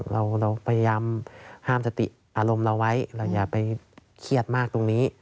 เราพยายามห้ามสติอารมณ์เราไว้เราอย่าไปเครียดมากตรงนี้